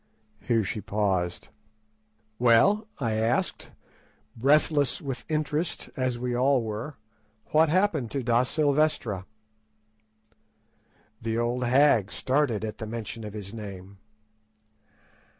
Here she paused. "Well," I asked, breathless with interest as we all were, "what happened to Da Silvestra?" The old hag started at the mention of the name.